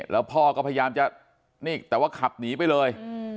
แล้วพ่อก็พยายามจะนี่แต่ว่าขับหนีไปเลย